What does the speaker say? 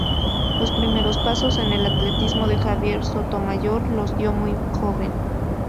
Los primeros pasos en el atletismo de Javier Sotomayor los dio muy joven.